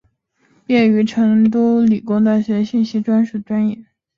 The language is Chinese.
毕业于成都理工大学地球探测与信息技术专业。